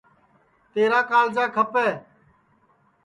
تیرا کاݪجا کھپے